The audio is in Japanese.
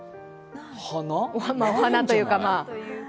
お花というか、まあ。